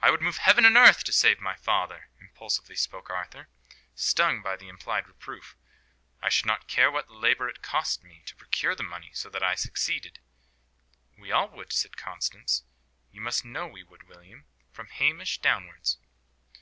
"I would move heaven and earth to save my father!" impulsively spoke Arthur, stung by the implied reproof. "I should not care what labour it cost me to procure the money, so that I succeeded." "We all would," said Constance; "you must know we would, William. From Hamish downwards."